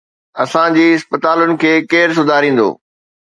اسان جي اسپتالن کي ڪير سڌاريندو؟